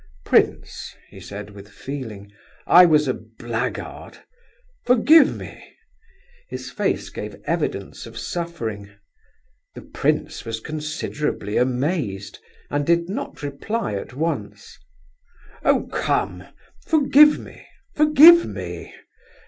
"Prince," he said, with feeling, "I was a blackguard. Forgive me!" His face gave evidence of suffering. The prince was considerably amazed, and did not reply at once. "Oh, come, forgive me, forgive me!"